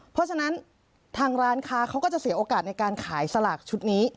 เพราะฉะนั้นทางร้านค้าเขาก็จะเสียโอกาสในการขายสลากชุดนี้